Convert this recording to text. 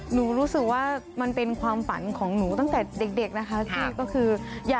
รู้สึกว่ามันเป็นความฝันของหนูตั้งแต่เด็กนะคะ